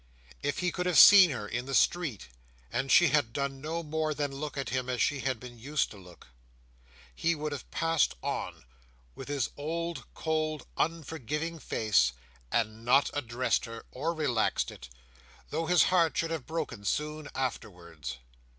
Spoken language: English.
If he could have seen her in the street, and she had done no more than look at him as she had been used to look, he would have passed on with his old cold unforgiving face, and not addressed her, or relaxed it, though his heart should have broken soon afterwards.